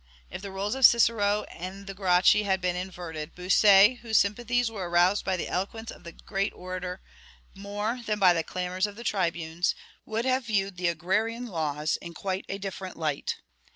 If the roles of Cicero and the Gracchi had been inverted, Bossuet, whose sympathies were aroused by the eloquence of the great orator more than by the clamors of the tribunes, would have viewed the agrarian laws in quite a different light.